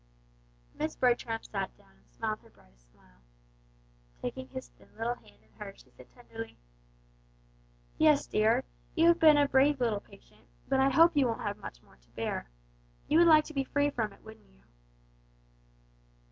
Miss Bertram sat down and smiled her brightest smile. Taking his thin little hand in hers she said tenderly, "Yes, dear, you've been a brave little patient, but I hope you won't have much more to bear. You would like to be free from it, wouldn't you?"